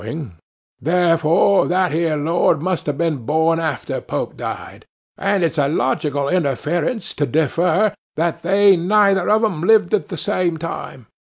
(bowing). Therefore, that ere Lord must have been born long after Pope died. And it's a logical interference to defer, that they neither of them lived at the same time.